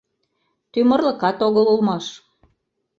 Тӱмырлыкат огыл улмаш!